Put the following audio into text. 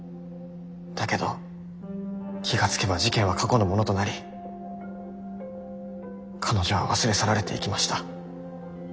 だけど気が付けば事件は過去のものとなり彼女は忘れ去られていきました。